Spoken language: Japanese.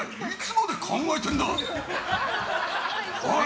おい！